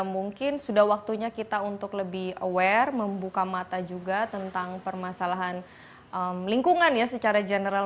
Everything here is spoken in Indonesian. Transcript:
mungkin sudah waktunya kita untuk lebih aware membuka mata juga tentang permasalahan lingkungan ya secara general